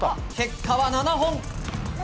結果は７本。